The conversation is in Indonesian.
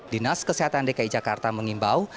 dinas kesehatan dki jakarta mengimbau